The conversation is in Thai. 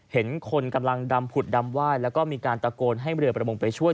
เห็นคนกำลังดำผุดดำไหว้แล้วก็มีการตะโกนให้เรือประมงไปช่วย